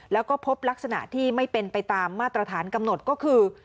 แล้วก็พบลักษณะที่ไม่เป็นไปตามมาตรฐานกำหนดก็คือ